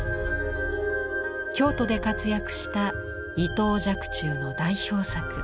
京都で活躍した伊藤若冲の代表作